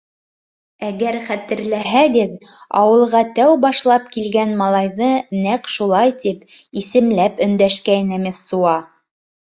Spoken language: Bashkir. Әгәр хәтерләһәгеҙ, ауылға тәү башлап килгән малайҙы нәҡ шулай тип, исемләп өндәшкәйне Мессуа.